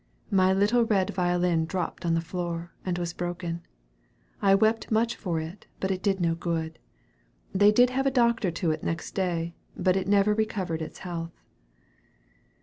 My little red violin dropped on the floor, and was broken. I weep much for it, but it did no good. They did have a doctor to it next day, but it never recovered its health."